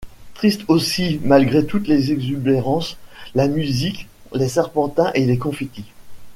Triste aussi, malgré toutes les exubérances, la musique, les serpentins et les confetti.